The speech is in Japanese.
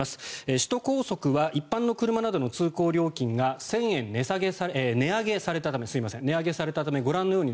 首都高速は一般の車などの通行料金が１０００円値上げされたためご覧のように